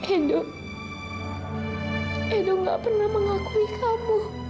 hidup edo gak pernah mengakui kamu